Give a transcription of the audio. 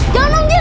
jangan om jin